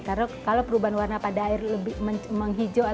kalau kalau perubahan warna pada air lebih menghijaukan